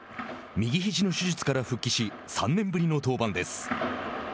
右ひじの手術から復帰し３年ぶりの登板です。